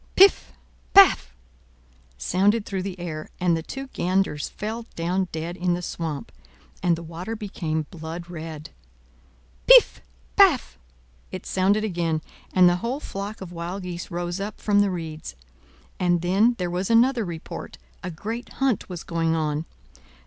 "Piff! paff!" resounded through the air; and the two ganders fell down dead in the swamp, and the water became blood red. "Piff paff!" it sounded again, and the whole flock of wild geese rose up from the reeds. And then there was another report. A great hunt was going on.